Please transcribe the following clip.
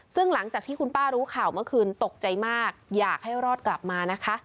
ซึ่งหลังจากที่คุณป้ารู้ข่าวเมื่อคืนตกใจมากอยากให้รอดกลับมานะคะ